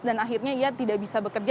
dan akhirnya ya tidak bisa bekerja